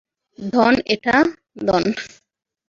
ধন এটা ধন।